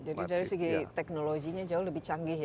jadi dari segi teknologinya jauh lebih canggih ya